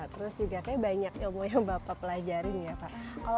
terus juga kayaknya banyak ilmu yang bapak pelajarin ya pak